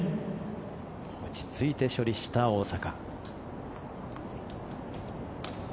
落ち着いて処理した大坂。